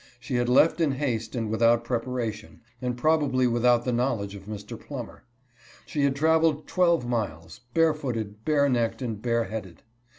She had left in haste and without prepara tion, and probably without the knowledge of Mr. Plum mer. She had traveled twelve miles, barefooted, bare necked, and bare headed.